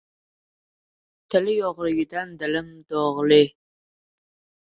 Tili yog‘lidan dilim dog‘li!